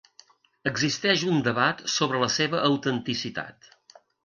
Existeix un debat sobre la seva autenticitat.